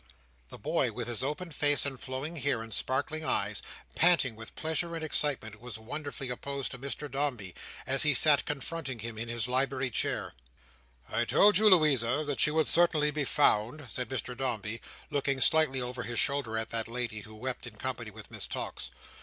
The boy with his open face, and flowing hair, and sparkling eyes, panting with pleasure and excitement, was wonderfully opposed to Mr Dombey, as he sat confronting him in his library chair. "I told you, Louisa, that she would certainly be found," said Mr Dombey, looking slightly over his shoulder at that lady, who wept in company with Miss Tox.